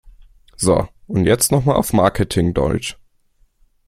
So, und jetzt noch mal auf Marketing-Deutsch!